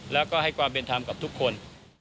แล้วก็ให้ความเป็นธรรมกับทุกคน